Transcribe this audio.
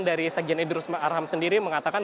dari sekjen idrus marham sendiri mengatakan